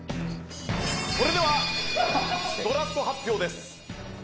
それではドラフト発表です。